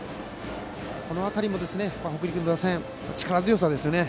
その辺りも北陸打線、力強さですね。